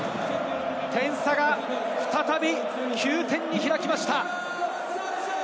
点差が再び９点に開きました。